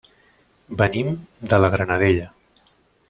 Venim de la Granadella.